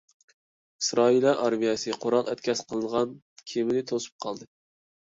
ئىسرائىلىيە ئارمىيەسى قورال ئەتكەس قىلغان كېمىنى توسۇپ قالدى.